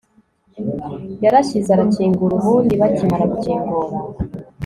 Yarashyize arakingura ubundi bakimara gukingura